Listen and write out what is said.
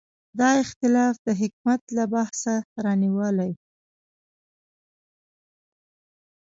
دا اختلاف د حکمیت له بحثه رانیولې.